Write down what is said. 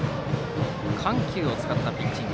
緩急を使ったピッチング。